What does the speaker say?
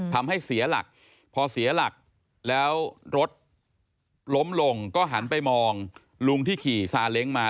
ทำให้เสียหลักพอเสียหลักแล้วรถล้มลงก็หันไปมองลุงที่ขี่ซาเล้งมา